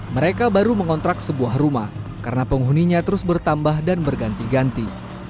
mereka baru mengontrak sebuah rumah karena penghuninya terus bertambah dan berganti ganti